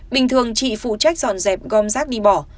bình thường chị phụ trách dọn dẹp gom rác đi bỏ